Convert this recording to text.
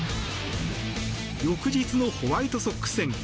翌日のホワイトソックス戦。